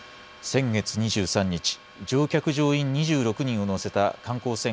先月２３日、乗客・乗員２６人を乗せた観光船